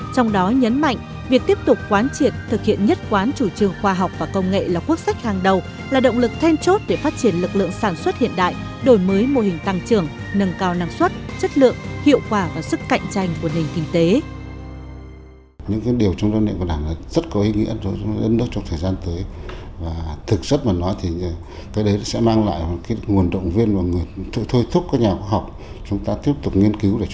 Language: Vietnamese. trong đó nhấn mạnh việc tiếp tục quán triển thực hiện nhất quán triển đổi mới mô hình tăng trưởng nâng cao năng suất chất lượng hiệu quả và sức cạnh tranh của nền kế